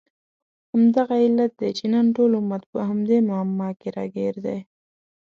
همدغه علت دی چې نن ټول امت په همدې معما کې راګیر دی.